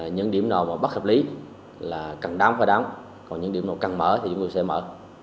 những điểm nào mà bất hợp lý là cần đám phải đám còn những điểm nào cần mở thì chúng tôi sẽ mở